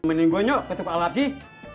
temenin gue nyok ke tepalap sih